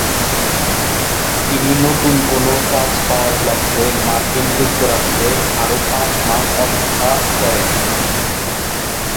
তিনি নতুন কোন কাজ পাওয়ার লক্ষ্যে মার্কিন যুক্তরাষ্ট্রে আরও পাঁচ মাস অপেক্ষা করেন।